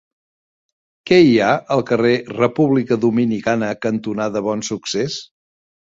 Què hi ha al carrer República Dominicana cantonada Bonsuccés?